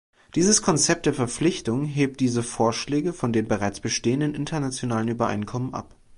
Dieses Konzept der Verpflichtung hebt diese Vorschläge von den bereits bestehenden internationalen Übereinkommen ab.